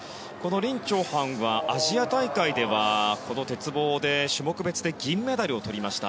リン・チョウハンはアジア大会ではこの鉄棒で種目別で銀メダルをとりました。